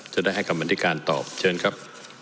จะได้ให้กรรมธิการตอบเชิญครับ